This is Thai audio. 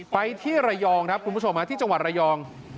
ไปที่ระยองครับคุณผู้ชมที่จังหวัดระยอง